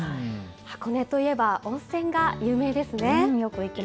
箱根と言えば温泉が有名ですね。